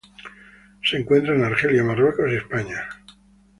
Se encuentra en Argelia, Marruecos y España.